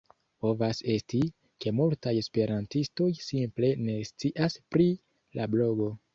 Povas esti, ke multaj esperantistoj simple ne scias pri la blogo.